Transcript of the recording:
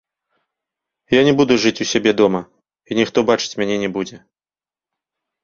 Я не буду жыць у сябе дома, і ніхто бачыць мяне не будзе.